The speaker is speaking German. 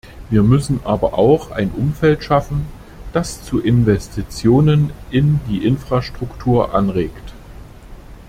Wir müssen aber auch ein Umfeld schaffen, das zu Investitionen in die Infrastruktur anregt.